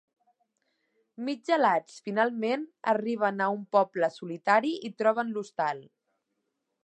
Mig gelats, finalment arriben a un poble solitari i troben l'hostal.